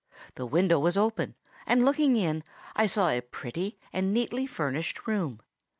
The window was open, and looking in, I saw a pretty and neatly furnished room.